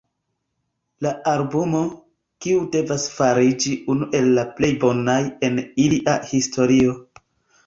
La albumon, kiu devas fariĝi unu el la plej bonaj en ilia historio.